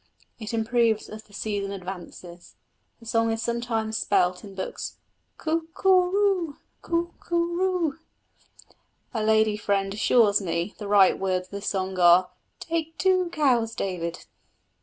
It improves as the season advances. The song is sometimes spelt in books: Coo coó roo, coó coo roo. A lady friend assures me the right words of this song are: Take two cows, David.